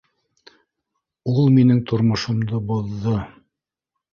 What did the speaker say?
Ул минең тормошомдо боҙҙо